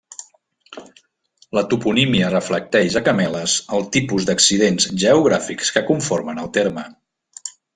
La toponímia reflecteix a Cameles el tipus d'accidents geogràfics que conformen el terme.